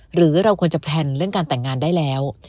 หรือเราควรจะแพลนเรื่องการแต่งงานได้แล้ว